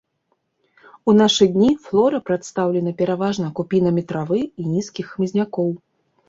У нашы дні флора прадстаўлена пераважна купінамі травы і нізкіх хмызнякоў.